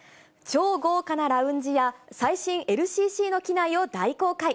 超豪華なラウンジや、最新ＬＣＣの機内を大公開。